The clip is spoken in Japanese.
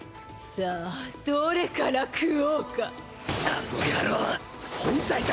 さあどれから喰おうか。